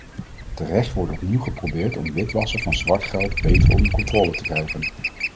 Terecht wordt opnieuw geprobeerd om witwassen van zwart geld beter onder controle te krijgen.